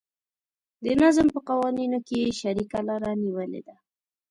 د نظم په قوانینو کې یې شریکه لاره نیولې ده.